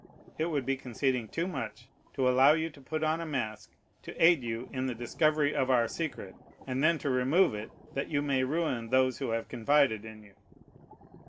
It would be conceding too much to allow you to put on a mask to aid you in the discovery of our secret, and then to remove it that you may ruin those who have confided in you.